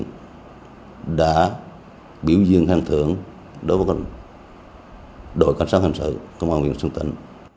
công an huyện sơn tịnh đã biểu dương hành thưởng đối với đội quan sát hình sự công an huyện sơn tịnh